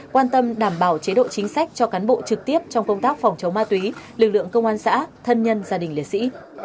quan tâm đảm bảo chế độ chính sách cho cán bộ trực tiếp trong công tác phòng chống ma túy lực lượng công an xã thân nhân gia đình liệt sĩ